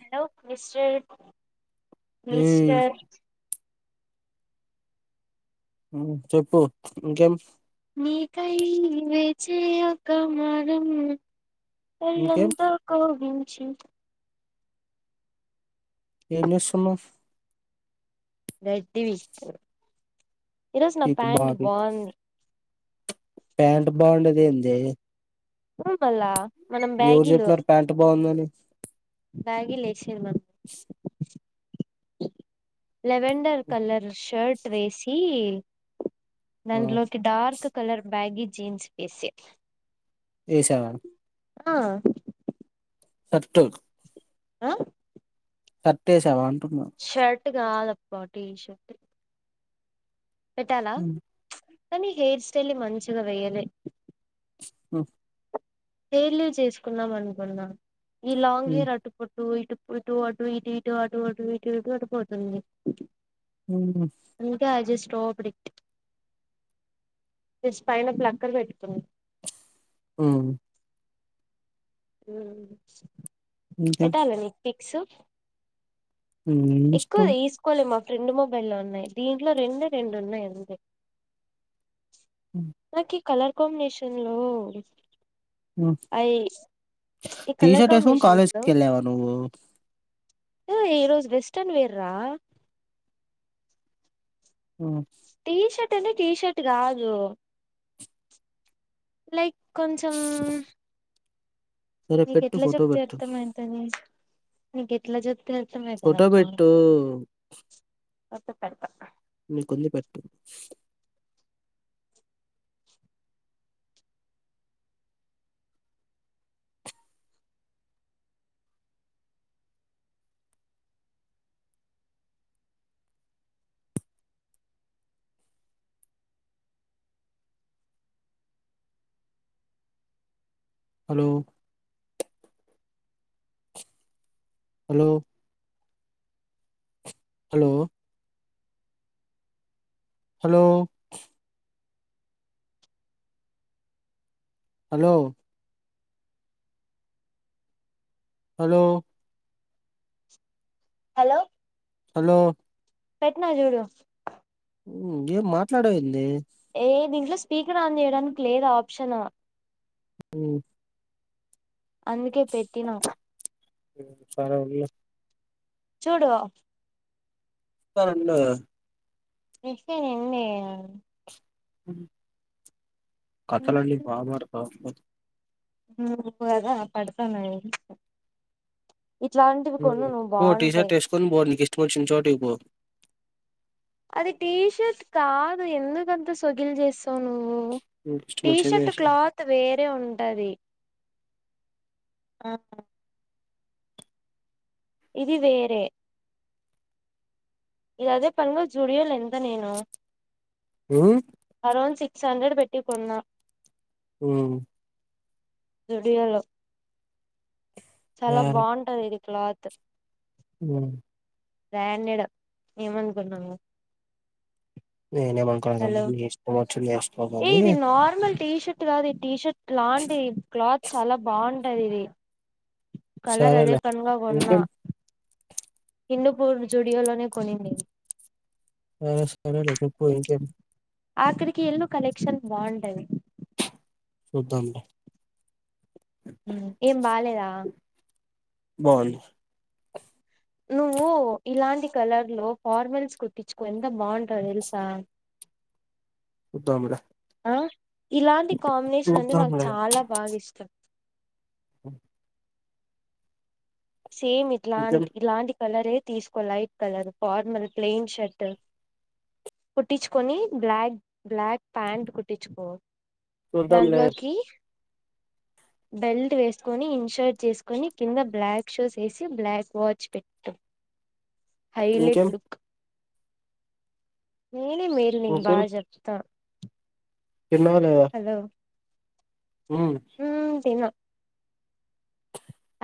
Hello mister ఏయ్ mister చెప్పు ఇంకేం నీకై వేచయొక్క వరము ఇంకేం వళ్లంతా కొవ్వింగ్ కొంచెం ఏమి చేస్తున్నావ్ బ్రైట్ టీవీ ఈరోజు నా పీకు బా ప్యాంట్ పీకు బాగుంది ప్యాంట్ బాగుండేదేందె ఆ మల్ల ఎవరు చెప్పినన్నారు ప్యాంటు బాగుందని బ్యగిలే [unintelligible] లెవెండర్ కలర్ షర్ట్ వేసి ఆ దాంట్లోకి డార్క్ కలర్ బ్యాగీ జీన్స్ పీసే ఏసావ ఆ షర్టు ఆ షర్టు వేసావా అంటున్న కాదు అప్ప టీషర్ట్ పెట్టాలా ఉమ్ కానీ హెయిర్ స్టైలే మంచిగా వేయాలే ఓహో హెయిర్ లివ్ చేసుకుందాం అనుకున్నా ఈ లాంగ్ ఉమ్, హెయిర్ అటుపుట్ ఇటు ఇటు ఇటు అటు ఇటు ఇటు అటు అటు ఇటు ఇటు అటు పోతుంది ఉమ్, అందుకే కట్ చేస్ సూపర్ హిట్ ప్లస్ పైన ప్లక్కర్ పెట్టుకున్న ఆ ఊ ఇంకేం [unintelligible] సో ఉ ఇష్టం రెండు మొబైల్లు ఉన్నాయి. దీంట్లో రెండే రెండు ఉన్నాయి. అంతే ఉమ్, నాకి కలర్ కాంబినేషన్ లో హ్ అయి ఈ కలర్ టీషర్ట్ వేసుకని కాంబినేషన్ కాలేజ్ కి వెళ్ళావా నువ్వు ఉ ఈ రోజు వెస్టర్న్ వేర్ రా ఉమ్, టీషర్ట్ అంటే టీషర్ట్ కాదు లైక్ కొంచెం సరే నీకు పెట్టు ఎట్లా ఫోటో చెప్తే పెట్టు అర్థమయి తది నీకు ఎట్లా చెప్తే ఆ ఫోటో పెట్టు ఒకే పెడతా నీకుంది పెట్టు hello hello hello hello hello hello hello hello పెట్టిన చూడు హ్ ఏం మాట్లాడవా ఏందీ ఏ దీంట్లో స్పీకర్ ఆన్ చేయడానికి లేదు. ఆప్షన్ హ్ అందుకే పెట్టిన [unintelligible] చూడు సూపర్ ఉన్నది గాధ ఇస్తే [unintelligible] హ్ కథలన్నీ బాగా మాట్లాడుతావ్ నువ్వు గాదా పడతాను ఇంకా పో టీ షర్ట్ ఏసుకొని పో నీకు ఇష్టం వచ్చినా చోటుకి పో అది టీషర్ట్ కాదు ఎందుకంత సొగిల్ చేస్ స్తవు నీకు ఇష్టం వచ్చింది టీషర్ట్ క్లాత్ వేరే ఉంటది. ఆ ఇది వేరే ఇదదే పనులు జూడియోలు ఎంత నేను హరోన్ సి సంకడి పెట్టి కొన్నా హమ్ జూడియోలో చాలా బాగుంటది ఇది క్లాత్ అమ్ బ్రాండెడ్ ఏమనుకున్నావో నేనేమనుకున్నానమ్మ హలో నీ ఇష్టం వచ్చింది వేసుకో ఏ గాని ఇది నార్మల్ టీషర్ట్ కాదు టీషర్ట్ లాంటి క్లాత్ చాలా బాగుంది గుంటదిది కలర్ అదే సరేలే పన్గా కొన్నా ఇంకేం హిందూపూర్ జూడియోలోనే కొనింది ది హ సరేలే చెప్పు ఇంకేం అక్కడికి ఎల్లు కలెక్షన్ బాగుంటది చూద్దాం లే ఇంకేం బాలేదా బాగుంది నువ్వు ఇలాంటి కలర్ లో ఫార్మల్స్ కుట్టించుకో ఎంత బాగుంటావో తెలుసా చూద్దాం లే ఆ ఇలాంటి కాంబినేషన్ అంటే నాకు చాలా బాగా ఇష్టం అమ్ సేమ్ ఇంకేం ఇట్లాంటి ఇలాంటి కలర్ తీసుకో light colour formal plain shirt కుట్టించుకొని బ్లాక్ బ్లాక్ ప్యాంట్ కుట్టించుకో నల్గ్ చూద్దాంలే లోకి బెల్ట్ వేసుకొని ఇన్షర్ట్ చేసుకొని కింద బ్లాక్ షూసేసి బ్లాక్ వాచ్ పెట్టు హైలెట్ ఇంకేం లుక్ నేనే మేల్ నీకు బా ఇంకేం జెప్తా తిన్నావ లేదా ఉమ్ మ్మ్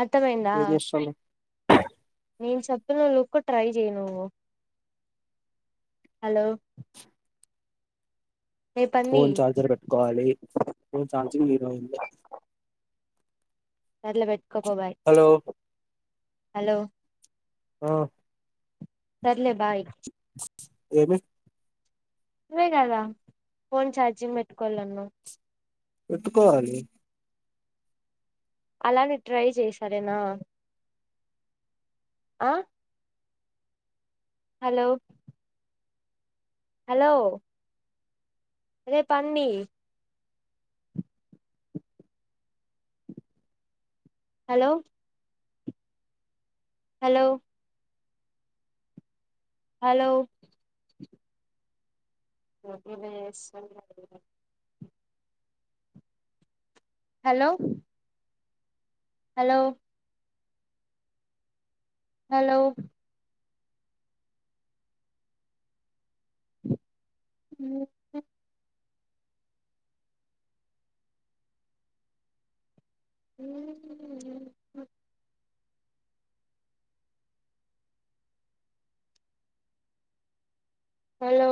అర్ధమైందా ఏం ఆ చేస్తున్నావ్ నేను చెప్పిన లుక్ ట్రై చెయ్ నువ్వు హలో రేపన్నీ ఫోన్ ఛార్జర్ పెట్టుకోవాలి ఫోన్ ఛార్జింగ్ లేదు మా ఇంట్లో సర్లే పెట్ కబొ బాయ్ హలో హలో ఆ సర్లే బాయ్ ఏమి నువే కదా ఫోన్ ఛార్జింగ్ పెట్టుకోల్లన్నావ్ పెట్టుకోవాలి అలానే ట్రై చేయ్ సరే నా ఆ హలో హలో రే పంది hello hello hello [unintelligible] hello hello hello మ్మ్ [unintelligible] హలో